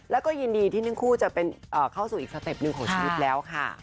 แล้วก็ยินดีที่ทั้งคู่จะเข้าสู่อีกสเต็ปหนึ่งของชีวิตแล้วค่ะ